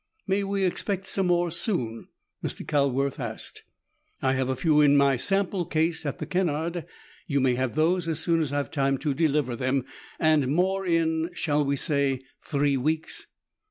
"May we expect some more soon?" Mr. Calworth asked. "I have a few in my sample case at the Kennard. You may have those as soon as I've time to deliver them and more in shall we say three weeks?"